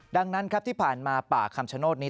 ดังนั้นครับที่ผ่านมาป่าคำชโนธนี้